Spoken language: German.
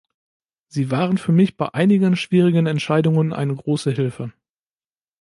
Sie waren für mich bei einigen schwierigen Entscheidungen eine große Hilfe.